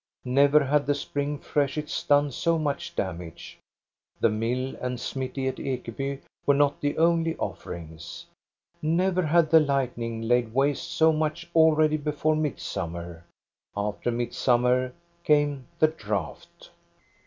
Never had the spring freshets done so much damage. The mill and smithy at Ekeby were not the only offerings. Never had the lightning laid waste so much already before midsummer — after midsummer came the drought.